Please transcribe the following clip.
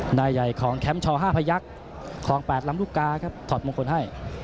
หน้าใหญ่ของแคมป์ชอห้าพยักษ์ครองแปดล้ำลูกกาครับถอดมงคลให้